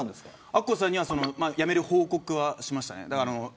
アッコさんにも辞める報告をしました。